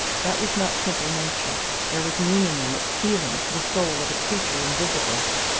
That was not simple nature; there was meaning in it, feeling, the soul of a creature invisible.